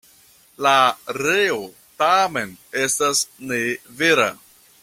La reo tamen, estas ne vera.